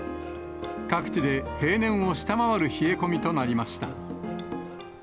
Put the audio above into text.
各地で平年を下回る冷え込みとなりました。